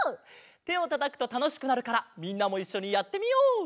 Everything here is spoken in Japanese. てをたたくとたのしくなるからみんなもいっしょにやってみよう！